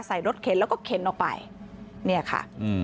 ใส่รถเข็นแล้วก็เข็นออกไปนี่ค่ะ